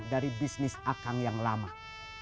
duanya ook menggilir diri